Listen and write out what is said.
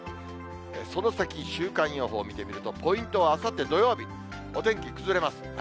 その先、週間予報見てみると、ポイントはあさって土曜日、お天気崩れます。